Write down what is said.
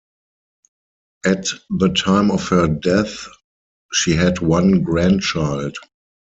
At the time of her death, she had one grandchild.